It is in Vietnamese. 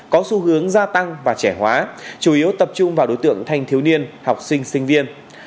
có xu hướng gia tăng và trẻ hóa chủ yếu tập trung vào đối tượng thanh thiếu niên học sinh sinh viên